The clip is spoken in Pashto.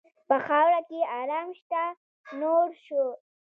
په خاوره کې آرام شته، نه شور.